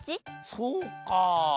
そうか。